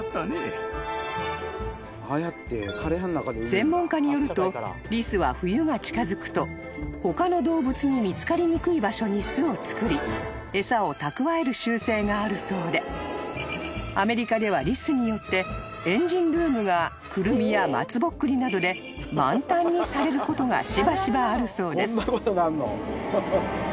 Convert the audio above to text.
［専門家によるとリスは冬が近づくと他の動物に見つかりにくい場所に巣を作り餌を蓄える習性があるそうでアメリカではリスによってエンジンルームがクルミや松ぼっくりなどで満タンにされることがしばしばあるそうです］